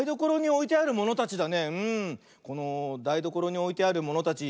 このだいどころにおいてあるものたち